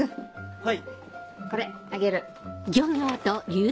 はい。